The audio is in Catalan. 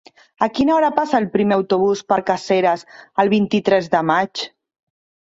A quina hora passa el primer autobús per Caseres el vint-i-tres de maig?